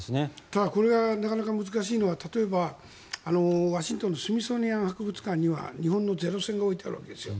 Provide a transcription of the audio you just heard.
ただこれはなかなか難しいのは例えば、ワシントンのスミソニアン博物館には日本のゼロ戦が置いてあるわけですよ。